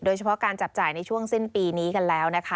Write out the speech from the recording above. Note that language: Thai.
เฉพาะการจับจ่ายในช่วงสิ้นปีนี้กันแล้วนะคะ